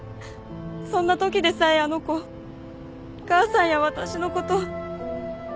そんな時でさえあの子母さんや私の事。